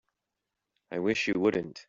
I wish you wouldn't.